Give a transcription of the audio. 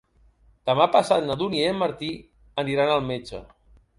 Demà passat na Dúnia i en Martí aniré al metge.